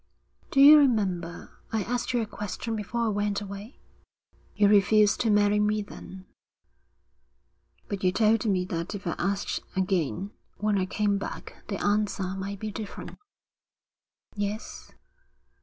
'Do you remember, I asked you a question before I went away? You refused to marry me then, but you told me that if I asked again when I came back, the answer might be different.' 'Yes.'